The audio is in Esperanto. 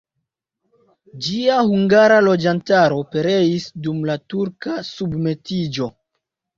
Ĝia hungara loĝantaro pereis dum la turka submetiĝo.